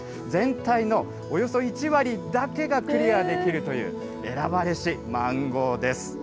全体のおよそ１割だけがクリアできるという、選ばれしマンゴーです。